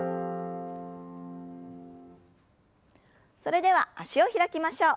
それでは脚を開きましょう。